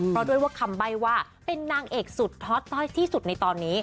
เพราะด้วยว่าคำใบ้ว่าเป็นนางเอกสุดฮอต้อยที่สุดในตอนนี้